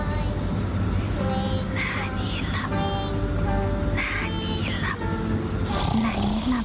นาดีหลับ